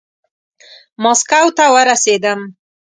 ماسکو ته ورسېدم.